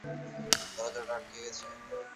দরজাটা আটকে গেছে।